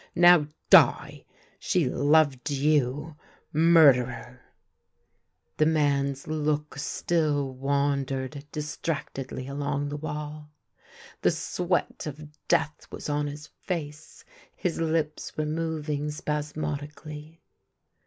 Now die ! She loved you — murderer !" The man's look still wandered distractedly along the wall. The sweat of death was on his face; his lip5 were moving spasmodically.